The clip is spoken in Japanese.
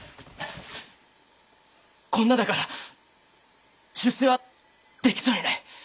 こんなだから出世はできそうにない。